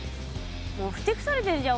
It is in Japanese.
もうふてくされてるじゃんお兄ちゃん。